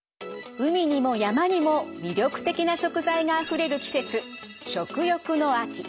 海にも山にも魅力的な食材があふれる季節食欲の秋。